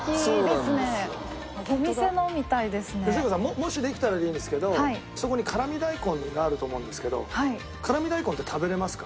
もしできたらでいいんですけどそこに辛味大根があると思うんですけど辛味大根って食べれますか？